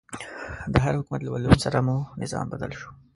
د هر حکومت له بدلون سره مو نظام بدل شوی.